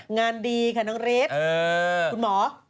งานดีค่ะน้องฤทธิ์คุณหมอ